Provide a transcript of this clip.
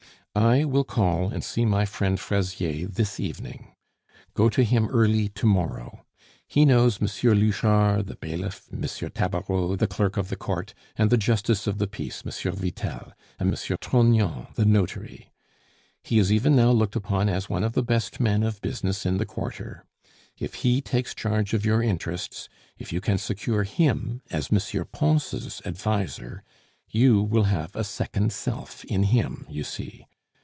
I will call and see my friend Fraisier this evening. Go to him early to morrow; he knows M. Louchard, the bailiff; M. Tabareau, the clerk of the court; and the justice of the peace, M. Vitel; and M. Trognon, the notary. He is even now looked upon as one of the best men of business in the Quarter. If he takes charge of your interests, if you can secure him as M. Pons' adviser, you will have a second self in him, you see.